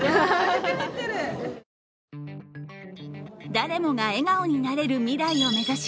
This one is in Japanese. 誰もが笑顔になれる未来を目指し